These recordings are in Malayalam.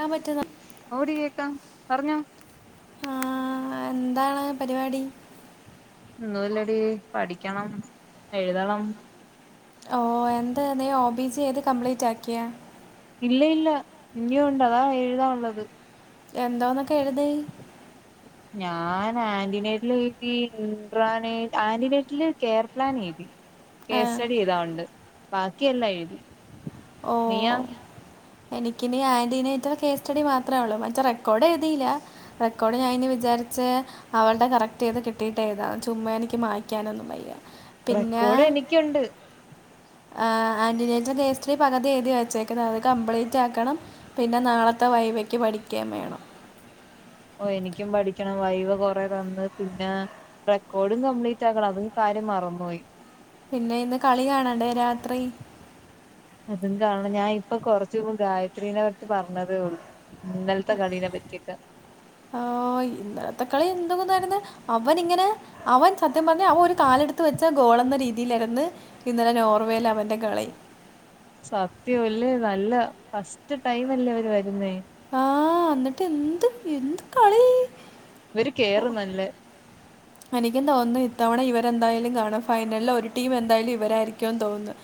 യാൻ പറ്റുന്ന ഓടി കേക്കാം പറഞ്ഞോ ആ എന്താണ് പരിപാടി ഒന്നുല്ലടീ പഠിക്കണം എഴുതണം ഓ എന്താ നീ ഒ ബി സി ഏത് കംപ്ലീറ്റ് ആക്കിയ ഇല്ല ഇല്ല ഇനിയും ഉണ്ട് അതാ എഴുതാ ഉള്ളത് എന്തോന്നൊക്കെ എഴുതി ഞാനാ ആന്റനേറ്റില് എഴ്‌തി ഇട്രാന് ആന്റിനേറ്റില് കെയർപ്ലാന് എഴ്‌തി ആ കേസ് സ്റ്റഡി എഴ്‌താ ഉണ്ട് ബാക്കിയല്ലാ എഴുതി ഓ നീയാ എനിക്കിനി ആന്റീനേറ്ററ് കേസ് സ്റ്റഡി മാത്രേ ഉള്ളൂ മറ്റേ റെക്കോർഡ് എഴുതില്ല റെക്കോഡ് ഞാൻ അയിന് വിചാരിച്ച അവള്ടെ കറക്റ്റ്യ്ത് കിട്ടിട്ട് എഴ്‌താ ചുമ്മാ എനിക്ക് മായ്ക്കാനൊന്നും വയ്യ പിന്നെ റെക്കോർഡ് എനിക്കുണ്ട് ആ ആന്റിനേറ്ററെ കേ ത്രി പക്‌തി എഴുതി വച്ചേക്കുന്ന് അത് കംപ്ലീറ്റ് ആക്കണം പിന്നെ നാളത്തെ വൈവേക്ക് പഠിക്യേം വേണം ഓ എനിക്കും പഠിക്കണം വൈവ് കൊറെ തന്ന് പിന്നെ റെക്കോഡും കംപ്ലീറ്റ് ആക്കണം അതും കാര്യം മറന്നോയി പിന്നെ ഇന്ന് കളി കാണണ്ടേ രാത്രി അതും കാണണം ഞാൻ ഇപ്പ കൊറച്ച മുമ്പ് ഗായത്രീനെ അടുത്ത് പറഞ്ഞതേ ഉള്ളൂ ഇന്നൽത്തെ കളീനെ പറ്റിയൊക്കെ ഓയ് ഇന്നലത്തെ കളി എന്ത്‌കുതായിരുന്ന് അവന്ങ്ങനെ അവൻ സത്യം പറഞ്ഞ അവൻ ഒരു കാലെടുത്ത് വെച്ച ഗോളെന്ന രീതിയിലകന്ന് ഇന്നലെ നോർവേലാ അവന്റെ കളി സത്യവല്ലേ നല്ല ഫസ്റ്റ് ടൈമല്ലേ അവര് വരുന്നേ ആഹ് ന്ന്ട്ട് എന്ത് എന്ത് കളീ ഇവര് പോ കേറും നല്ല [inaudible] എനിക്കും തോന്നുന്നു ഇത്തവണ ഇവരെന്തായാലും കാണും ഫൈനലില് ഒരു ടീം എന്തായാലും ഇവരായിരിക്കൂന്ന് തോന്നുന്നു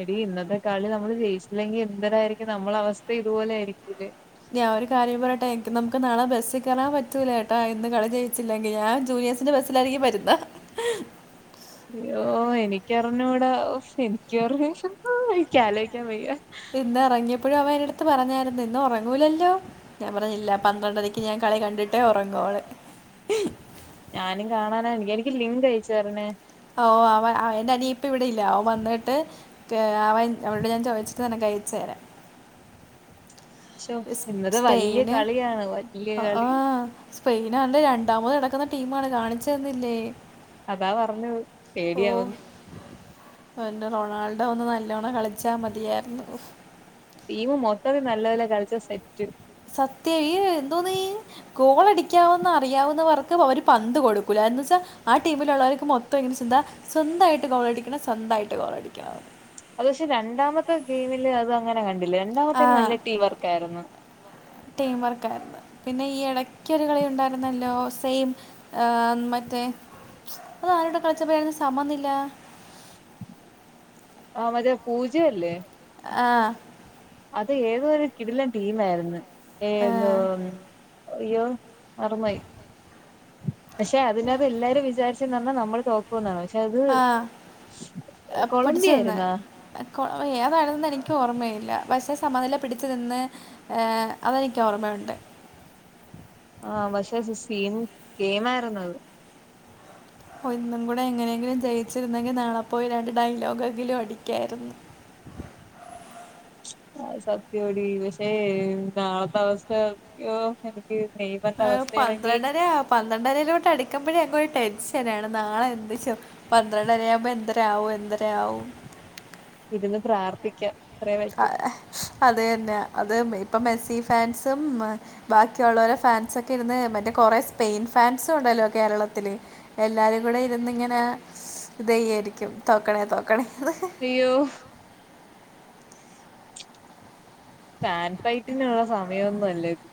എടീ ഇന്നത്തെ കളി നമ്മള് ജെയിച്ചിലെങ്കി എന്തടായിരിക്കും നമ്മളവസ്ഥ ഇതുപോലെ ആയിരിക്ക്ല്ലേ ഞാ ഒരു കാര്യം പറട്ടെ എനി നമക്ക് നാളെ ബസികേറൻ പറ്റൂലട്ടോ ഇന്ന് കളി ജയിച്ചില്ലെങ്കി ഞാൻ ജൂനിയസ് ന്ന് ബസ്സിലാരിക്കും വരുന്ന് യ്യോ എനിക്കറിഞ്ഞൂടാ എനിക്കറിഞ്ഞൂടാ ഓ ക്ക്ആലോ യിക്കാൻ വെയ്യ ഇന്നെറങ്ങിപ്പഴേ അവൻ്റെട്ത്ത് പറഞ്ഞാര്ന്നു ഇന്നൊറങ്ങൂലല്ലോ ഞാൻ പറഞ്ഞു ല്ല പന്ത്രണ്ടരക്ക് ഞാൻ കളി കണ്ടിട്ടേ ഒറങ്ങോളു ഞാനും കാണാനാ എനിക്ക് ലിങ്കയച്ചെരണേ ഓ അവ അവന്റെനിയിപ്പ വെടെയില്ല അവ വന്നിട്ട് അവൻ അവട് ഞാൻ ചോയിച്ച്താണ് അയച്ച് രാ ശോ സ് സ് ഇന്നത്തെ വല്യ സ്പെയ്ന് കളിയാണ് വല്യ ആ കളി സ്പെയിനവന്റെ രണ്ടാമത് നടക്കുന്ന ടീമാണ് കാണിച്ച് തന്നില്ലേ അതാ പറഞ്ഞത് പേടിയാവ്ന്ന് ന്റെ റൊണാൾഡോ ഒന്ന് നല്ലോണം കളിച്ചാ മതിയാർന്നു ടീമ് മൊത്തത്തി നല്ലതല്ല കളിച്ച സെറ്റ് സത്യ യ് എന്തോന്നീ കോളടിക്കാവന്ന റിയാവുന്നവർക്ക് അവര് പന്ത് കൊടുക്കൂല എന്ന് വെച്ചാ ആ ടീമിലുള്ളവർക്ക് മൊത്തം എങ്ങനെ ചിന്ത സ്വന്തായിട്ട് ഗോളടിക്കണം സ്വന്തായിട്ട് ഗോളടിക്കണ അത് ഷെ രണ്ടാമത്തെ ടീമില് അതങ്ങനെ കണ്ടില്ല രണ്ടാമത്തേന് നല്ല ടീം വർക്കായിരുന്നു. ടീംവർക്കാര്ന്നു പിന്നെ ഈ എടക്കൊരു കളി ണ്ടായിര്ന്നല്ലോ സെയിം ആമറ്റേ അത് ആരോട് കളിച്ചപ്പാരുന്നു സമന്നിലാ അവരെ പൂജെല്ലേ ആഹ് അത് യേതോരു കിടിലൻ ടീമേര്ന്നു ഏതോ അയ്യോ മറന്നോയി പഷെ അതിനത്ത് എല്ലാരും വിചാരിച്ചു ന്നാ നമ്മൾ തോ ന്നാ പഷെ അത് ആ ആ അഹ് കൊളമ്പി പിടിച്ചു നിന്ന് യേര്ന്നോ? ഏതാണെന്ന് എനിക്ക് ഓർമ്മയില്ല പക്ഷെ സമനില പിടിച്ചു നിന്ന് ഏ അതെനിക്കോർമ്മയുണ്ട്. ആ പഷെത് സീൻ സീനിയിരുന്നത് ഒന്നും കൂടെ എങ്ങനെങ്കിലും ജയിച്ചിരുന്നെങ്കി നാളെപ്പോയി രണ്ട് ഡയലോഗെങ്കിലും അടിക്കായിരുന്നു. അത് സത്യോടി പഷേ നാളെത്ത അവസ്ഥ യ്യോ എനിക്ക് നെയ്യമർൻ്റെ ഏഹ് വസ്ഥേണെങ്കി പന്ത്രണ്ടര പന്ത്രണ്ടരയിലോട്ട് അടക്കുമ്പോഴ ടെഷനാണ് നാളെ എന്ത്ചൊ പന്ത്രണ്ടരാമ്പോ എന്തൊ രാവും എന്തരാവും ഇര്ന്ന് പ്രാർത്ഥിക്കാം അത്രേ പറ്റൂ അതെന്നെ അത് ഇപ്പൊ മെസ്സി ഫാൻസും മ് ബാക്കിയുള്ളോരെ ഫാൻസൊക്കിരുന്ന് മറ്റേ കൊറേ സ്പെയിൻ ഫാൻസുണ്ടല്ലോ കേരളത്തില്. എല്ലാരും കൂടെര്ന്ന്ങ്ങനെ ത്യായിരിക്കും തോക്കണേ തോക്കണേ ത് ഈയോ ഫാൻ ഫൈറ്റിനുള്ള സമയൊന്നുല്ലത്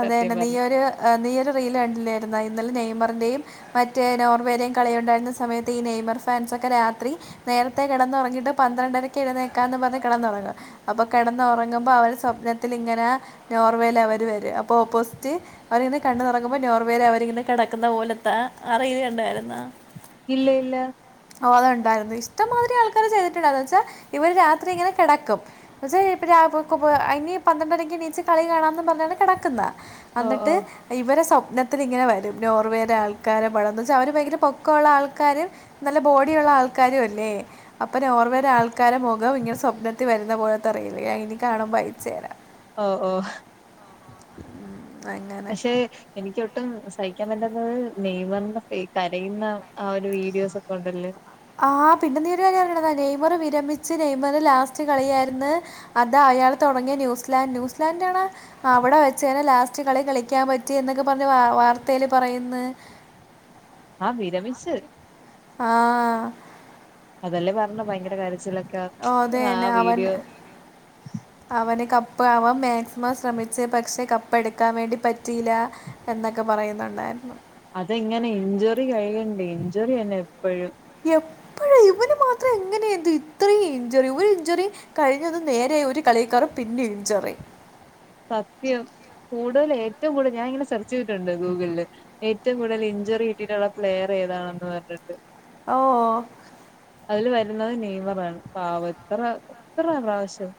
അതെന്നെ നീയൊരു നീയൊരു റീല് കണ്ടില്ലായിര്ന്നോ ഇന്നലെ നെയ്മറ്ന്റെയും മറ്റേ നോർവേരെം കളിയുണ്ടായിരുന്ന സമയത്ത് ഈ നെയ്മർ ഫാൻസൊക്കെ രാത്രി നേർത്തെ കെടന്നൊറങ്ങീട്ട് പന്ത്രണ്ടരക്ക് എഴുന്നേക്കാന്ന് പറഞ്ഞ് കടന്നൊറങ്ങാ അപ്പൊ കെടന്നൊറങ്ങുമ്പോ അവര് സ്വപ്നത്തില്ങ്ങനെ നോർവേൽ അവര് വര അപ്പൊ ഓപ്പോസിറ്റ് അവരിങ്ങനെ കണ്ണുതുറക്കുമ്പോ നോർവേല് അവരിങ്ങനെ കിടക്കുന്ന പോലെത്ത അറിയിലുണ്ടായിരുന്ന ഇല്ല ഇല്ല ഓ അതുണ്ടായിരുന്നു ഇഷ്ടമാതിരി ആൾക്കാർ ചെയ്തിട്ടുണ്ടായിരുന്നു വെച്ചാൽ ഇവര് രാത്രി ഇങ്ങനെ കിടക്കും പക്ഷെ ഇപ്പോ രാഹുൽ അയിന് പന്ത്രണ്ടരക്കെണിച്ച് കളി കാണാമെന്ന് പറഞ്ഞാണ് കിടക്കുന്ന ഓ ഓ അന്നിട്ട് ഇവരെ സ്വപ്നത്തില് ഇങ്ങനെ വരും നോർവേയുടെ ആൾക്കാരെ പടം എന്ന് വെച്ചാ അവർ ഭയങ്കര പൊക്കമുള്ള ആൾക്കാര് നല്ല ബോഡിയുള്ള ആൾക്കാരും അല്ലേ, അപ്പോ നോർവേയുടെ ആൾ ക്കാരെ മുഖം ഇങ്ങനെ സ്വപ്നത്തിൽ വരുന്ന പോലത്തെ റീൽ ഞാൻ ഇനി കാണുമ്പോ അയച്ചു തരാം ഓഹ് ഓഹ് ഉം, അങ്ങനെ പക്ഷെ എനിക്കൊട്ടും സഹിക്കാൻ പറ്റാത്തത് നെയ്മറിന്റെ കരയുന്ന ആ ഒരു വീഡിയോസ് ഒക്കെ ഉണ്ടല്ലോ ആഹ് പിന്നെ നീയ്യൊരു കാര്യം അറിയണതാ നെയ്മർ വിരമിച്ച്, നെയ്മർ ലാസ്റ്റ് കളിയായിരുന്ന് അതാ അയാൾ തുടങ്ങിയ ന്യൂസ്ലാൻഡ് ന്യൂസ്ലാൻഡാണാ അവിടെ വെച്ചെന്നെ ലാസ്റ്റ് കളി കളിക്കാൻ പറ്റി എന്നൊക്കെ പറഞ്ഞ് വാ വാർത്തയിൽ പറയുന്ന് ആഹ് വിരമിച്ച് ആഹ് അതല്ലേ പറഞ്ഞെ ഭയങ്കര കരച്ചിലൊക്കെ ഓ, അത് ആ തന്നെ അവൻ വീഡിയോ അവന് കപ്പ് അവൻ മാക്സിമം ശ്രമിച്ച് പക്ഷെ കപ്പ് എടുക്കാൻ വേണ്ടി പറ്റിയില്ല എന്നൊക്കെ പറയുന്നുണ്ടായിരുന്നു അതെങ്ങനെ ഇഞ്ചുറി കഴിയണ്ടേ ഇഞ്ചുറി തന്നെ എപ്പോഴും എപ്പോഴും ഇവന് മാത്രം എങ്ങനെ എന്തോ ഇത്രയും ഇഞ്ചുറി, ഒരു ഇഞ്ചുറി കഴിഞ്ഞതും നേരെ ഒരു കളിക്കേറും പിന്നെ ഇഞ്ചുറി സത്യം, കൂടുതൽ ഏറ്റവും കൂടുതൽ ഞാനിങ്ങനെ സെർച്ച് ചെയ്തിട്ടുണ്ട് ഗൂഗിളില് ഏറ്റവും കൂടുതൽ ഇഞ്ചുറി കിട്ടിയിട്ടുള്ള പ്ലെയർ ഏതാണെന്ന് പറഞ്ഞിട്ട് ഓഹ് ഓഹ് അതിൽ വരുന്നത് നെയ്മറാണ് പാവം എത്ര എത്ര പ്രാവശ്യം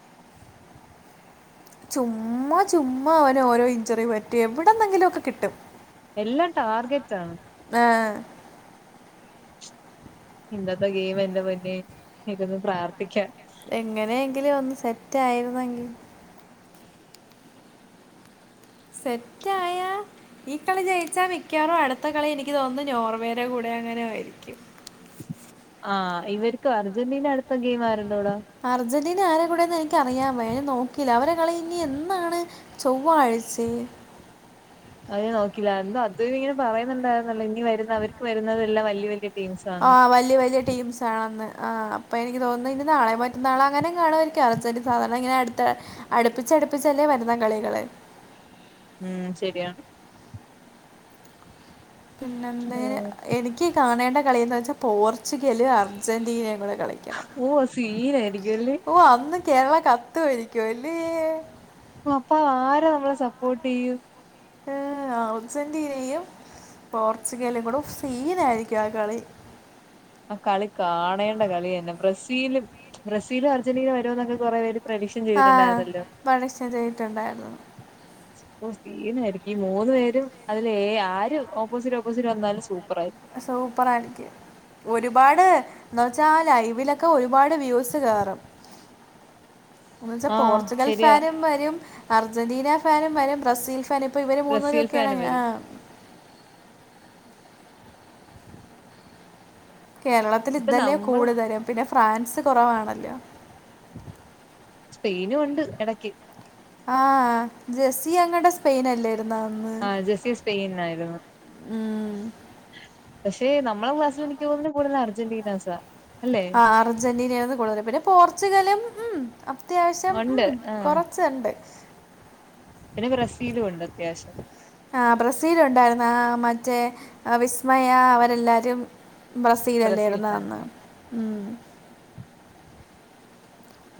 ചുമ്മാ ചുമ്മാ അവനോരോ ഇഞ്ചുറി പറ്റി എവിടെന്നെങ്കിലൊക്കെ കിട്ടും എല്ലാം ടാർഗറ്റാണ് ആഹ് ഇന്നത്തെ ഗെയിം എന്റെ പൊന്നേ, ഇരുന്ന് പ്രാർത്ഥിക്കാം എങ്ങനെയെങ്കിലും ഒന്ന് സെറ്റ് ആയിരുന്നെങ്കിൽ സെറ്റായാ ഈ കളി ജയിച്ചാൽ മിക്കവാറും അടുത്ത കളി എനിക്ക് തോന്നുന്നു നോർവേയുടെ കൂടെ എങ്ങാനുമായിരിക്കും ആഹ് ഇവർക്കോ, അർജന്റീന അടുത്ത ഗെയിം ആരുടൂടാ? അർജന്റീന ആരെ കൂടെന്ന് എനിക്കറിയാൻ വയ്യ, ഞാൻ നോക്കിയില്ല, അവരെ കളി ഇനി എന്നാണ് ചൊവ്വാഴ്ചെ അത് പിന്നെ നോക്കിയില്ലാ, എന്തോ അദ്വൈതിങ്ങനെ പറയുന്നുണ്ടായിരുന്നല്ലോ ഇനി വരുന്ന അവർക്ക് വരുന്നതെല്ലാം വല്യ വല്യ ആഹ് വല്യ വല്യ ടീംസ് ആണെന്ന് ആഹ് അപ്പോ എനിക്ക് തോന്നുന്നു ഇനി നാളെ മറ്റന്നാളാ എങ്ങാനും കാണുമായിരിക്കും അർജന്റ് സാധാരണ ഇങ്ങനെ അടുത്ത അടുപ്പിച്ചടുപ്പിച്ചല്ലേ വരുന്ന കളികള് ഉം ശരിയാണ് പിന്നെ എന്തേ എനിക്ക് കാണേണ്ട കളിയെന്ന് വെച്ചാൽ പോർച്ചുഗല് അർജന്റീനയും കൂടെ കളി ഓഹ് അത് സീനായിരിക്കുവല്ലേ ഓഹ് അന്ന് കേരളം കത്തുവായിരിക്കുവല്ലേ അപ്പോ ആരെ നമ്മള് സപ്പോർട്ട് ചെയ്യും ഏഹ് അർജന്റീനയും പോർച്ചുഗലും കൂടെ, ഓഹ് സീനായിരിക്കും ആ കളി ആ കളി കാണേണ്ട കളി തന്നെ, ബ്രസീലും ബ്രസീലും അർജന്റീനയും വരൂന്നൊക്കെ കുറെ പേര് പ്രഡിക്ഷൻ ആഹ് ചെയ്തിട്ടുണ്ടായിരുന്നല്ലോ പണിഷ് ചെയ്തിട്ടുണ്ടായിരുന്നു ഓ സീനായിരിക്കും ഈ മൂന്നു പേരും അതില് ഏ ആര് ഓപ്പോസിറ്റ് ഓപ്പോസിറ്റ് വന്നാലും സൂപ്പറായിരിക്കും സുപ്പറായിരിക്കും ഒരുപാട് എന്നുവെച്ചാ ലൈവിലൊക്കെ ഒരുപാട് വ്യൂസ് കേറും [inaudible] എന്ന് വെച്ചാ ആഹ് പോർച്ചുഗൽ ശരിയാ ഫാനും വരും അർജന്റീന ഫാനും വരും ബ്രസീൽ ഫാ വരും. ഇപ്പോ ഇവര് ബ്രസീൽ മൂന്നൂപേരുമൊക്കെയാണ് ഫാനും ആ വരും കേരളത്തിൽ ഇപ്പൊ ഇതല്ലേ നമ്മള് കൂടുതലും പിന്നെ ഫ്രാൻസ് കൊറവാണല്ലോ സ്പെയിനും ഒണ്ട് ഇടയ്ക്ക് ആഹ് ജെസി അങ്ങടെ സ്പെയിൻ അല്ലേരുന്നു ആഹ് ജസ്സീ സ്പെയിൻനായിരുന്നു ഉം. പക്ഷെ നമ്മളെ ക്ലാസ്സില് എനിക്ക് തോന്നുന്നന് കൂടുതല അർജന്റീനാസാ അല്ലെ ആഹ് അർജന്റീനെയാന്ന് കൂടുതല് പിന്നെ പോർച്ചുഗലും ഉമ് അത്യാവശ്യം ഉണ്ട് മ്മ് ആഹ് കുറച്ചുണ്ട് പിന്നെ ബ്രസീലുണ്ട് അത്യാവശ്യം ആഹ് ബ്രസീലുണ്ടായിരുന്നു ആ മറ്റേ വിസ്മയ അവരെല്ലാരും ബ്രസീൽ ബ്രസീലല്ലേരുന്ന ഫാൻ അന്ന് മ്മ്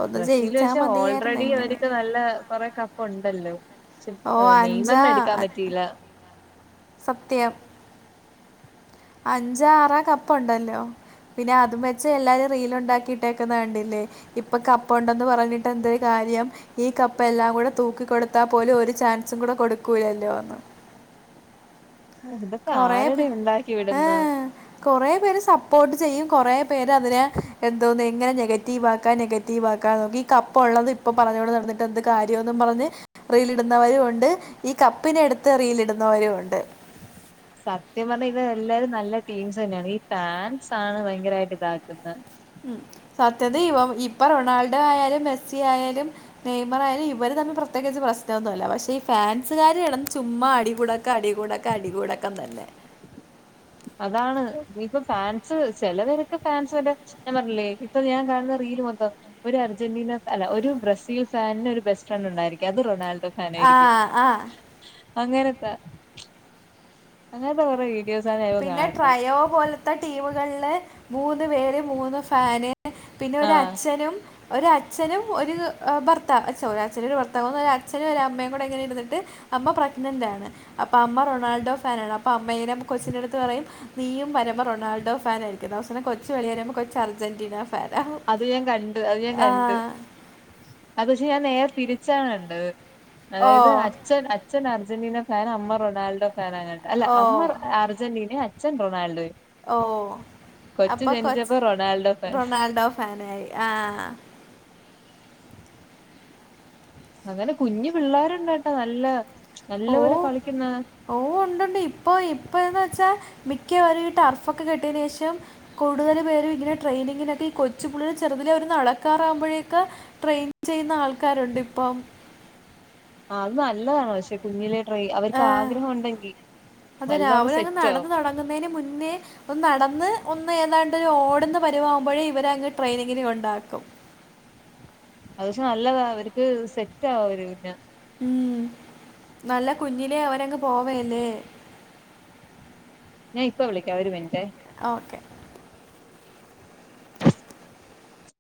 ഒന്ന് ജയിച്ചാൽ ബ്രസീല്ച്ചാ മതിയായിരുന്നു ഓൾറെഡി എങ്ങനെ അവർക്ക് നല്ല കൊറെ കപ്പുണ്ടല്ലോ ഓ അഞ്ചാ നെയ്മറിനെ എടുക്കാൻ അ- പറ്റിയില്ല സത്യം അഞ്ചാ ആറാ കപ്പുണ്ടല്ലോ പിന്നെ അതും വെച്ച് എല്ലാരും റീലുണ്ടാക്കിയിട്ടേക്കുന്ന കണ്ടില്ലേ ഇപ്പൊ കപ്പ ഉണ്ടന്ന് പറഞ്ഞിട്ട് എന്തായി കാര്യം ഈ കപ്പ് എല്ലാം കൂടെ തൂക്കിക്കൊടുത്താ പോലും ഒരു ചാൻസും കൂടെ കൊടുക്കൂലല്ലോ ഒന്ന് ഇതൊക്കെ കൊറെണ്ട് ആരുടെ ഉണ്ടാക്കി വിടുന്ന് ഏഹ് കുറേ പേര് സപ്പോർട്ട് ചെയ്യും കുറേ പേരതിനെ എന്തോന്നു എങ്ങനെ നെഗറ്റീവ് ആക്ക നെഗറ്റീവ് ആക്കാ നോക്കി കപ്പോള്ളത് ഇപ്പൊ പറഞ്ഞോണ്ട് നടന്നിട്ട് എന്ത് കാര്യോന്നും പറഞ്ഞ് റീൽ ഇടുന്നവരുണ്ട് ഈ കപ്പിന എടുത്ത് റീൽ ഇടുന്നവരുണ്ട് സത്യം പറഞ്ഞാൽ ഇത് എല്ലാരും നല്ല ടീംസ് തന്നെയാണ് ഈ ഫാൻസ് ആണ് ഭയങ്കരമായിട്ട് ഇതാക്കുന്നത് ഉമ് സത്യത്തിൽ ഇപ്പൊ റൊണാൾഡോ ആയാലും മെസ്സി ആയാലും നെയ്മറായാലും ഇവര് തമ്മില് പ്രത്യേകിച്ച് പ്രശ്നൊന്നുല്ല പക്ഷെ ഈ ഫാൻസുകാര് കെടന്ന് ചുമ്മാ അടി കൂടാൻ അടികൂടാക്ക അടികൂടൊക്കെത്തന്നെ അതാണ് ഇപ്പൊ ഫാൻസ് ചെലവരൊക്കെ ഫാൻസ് വരെ ഞാൻ പറഞ്ഞില്ലേ ഇപ്പൊ ഞാൻ കാണുന്ന റീല് മൊത്തം ഒരു അർജന്റീന അല്ല ഒരു ബ്രസീൽ ഫാനിന് ഒരു ബെസ്റ്റ് ഫ്രണ്ടുണ്ടായിരിക്കും അത് റൊണാൾഡോ ആ ഫാനായിരിക്കും ആ അങ്ങേനൊക്കെ അങ്ങനത്തെ കുറെ വീഡിയോസ് ഞാനിപ്പോ കാണണ്ട് നോ പോലെ ത്ത ടീമുകളില് മൂന്ന് പേര് മൂന്ന് ഫാന് പിന്നൊര ആഹ് അച്ഛനും ഒരച്നും ഒരു ഭർത്താവ് ഛെ ഒരച്ഛനും ഒരു ഭർത്താവ്ന്നും ഒരു അച്ഛനും ഒരമ്മയും കൂടെ ഇങ്ങനെ ഇരുന്നിട്ട് അമ്മ പ്രെഗ്നന്റാണ് അപ്പൊ അമ്മ റൊണാൾഡോ ഫാനാണ് അപ്പൊ അമ്മെനെ കൊച്ചിന്റെടുത്ത് പറയും നീയും വരുമ്പോ ഒരു റൊണാൾഡോ ഫാനായിരിക്കും അവസാനം കൊച്ച് വെളി വരുമ്പോൾ കൊച്ച് അർജന്റീന ഫാനാ അത് ഞാൻ കണ്ട് അത് ഞാൻ കണ്ട് ആഹ് അത് പക്ഷെ ഞാൻ നേരെ തിരിച്ചാണ് കണ്ടത് ഓ അതായത് അച്ഛൻ അച്ഛ അച്ഛൻ അർജന്റീന ഫാൻ അമ്മ റൊണാൾഡോ ഫാനങ്ങാണ്ട് അല്ല ഓ അമ്മ അർജന്റീന അച്ഛൻ അച്ഛൻ റൊണാൾഡോയും ഓഹ് അപ്പൊ കൊച്ച് ജനിച്ചപ്പോ റൊണാൾഡോ ഫാൻ റൊണാൾഡോ ഫാനായി ആഹ് അങ്ങനെ കുഞ്ഞ് പിള്ളേരുണ്ട്ട്ടോ നല്ല നല്ലപോലെ കളിക്കുന്ന ഓഹ് ഒണ്ട്ണ്ട് ഇപ്പൊ ഇപ്പഴ്‌ന്ന് വെച്ചാ മിക്കവരും ഈ ടർഫൊക്കെ കെട്ടിയയിന് ശേഷം കൂടുതൽ പേരും ഇങ്ങനെ ട്രെയിനിങ്ങിനൊക്കെ ഈ കൊച്ചുപുള്ളരെ ചെറുതില അവര് നടക്കാറാവുമ്പോഴേക്ക് ട്രെയിൻ ചെയ്യുന്ന ആൾക്കാരുണ്ടി പ്പോ ആഹ് അത് നല്ലതാ പക്ഷെ കുഞ്ഞിലെ ട്രൈ അവർക്ക് ആഗ്രഹം ഉണ്ടെങ്കി അതെ വലുതാവുമ്പോ രാവിലെ അവരങ്ങ് സെറ്റ് ആവും നടന്ന് തുടങ്ങുന്നതിന് മുന്നേ ഒന്നു നടന്ന് ഒന്ന് ഏതാണ്ടൊരു ഓടുന്ന പരുവാമാകുമ്പോഴേ ഇവരങ്ങു ട്രെയിനിങ്ങിന് കൊണ്ടാക്കും. അത് പക്ഷേ നല്ലതാ അവർക്ക് സെറ്റ് ആവും അവര് പിന്നെ. ഉമ് നല്ല കുഞ്ഞിലെ അവരങ്ങ് പോവല്ലേ? ഞാൻ ഇപ്പൊ വിളിക്കാം ഒരു മിനിറ്റെ. ഓക്കെ.